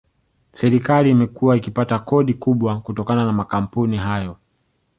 Serikali imekuwa ikipata kodi kubwa kutoka kwa makampuni hayo